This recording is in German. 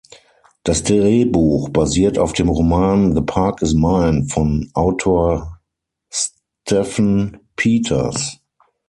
Das Drehbuch basiert auf dem Roman "The Park is Mine" von Autor Stephen Peters.